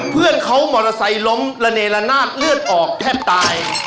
เพื่อนเขามอเตอร์ไซค์ล้มระเนละนาดเลือดออกแทบตาย